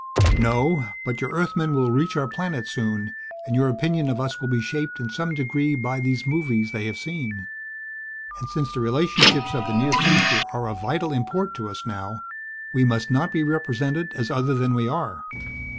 "No. But your Earthmen will reach our planet soon and your opinion of us will be shaped in some degree by these movies they have seen. And since the relationships of the near future are of vital import to us now we must not be represented as other than we are.